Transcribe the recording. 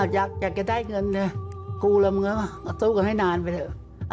อยากจะได้เงินกูและมึงสู้กันให้นานไปเถอะ